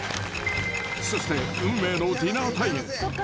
そして運命のディナータイム。